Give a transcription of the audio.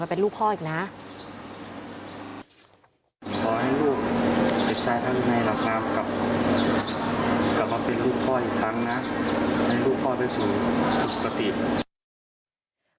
ส่วนของชีวาหาย